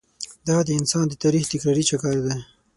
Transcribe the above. دا د انسان د تاریخ تکراري چکر دی.